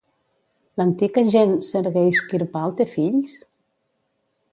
L'antic agent Sergei Skirpal té fills?